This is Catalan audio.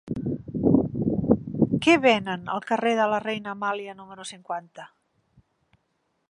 Què venen al carrer de la Reina Amàlia número cinquanta?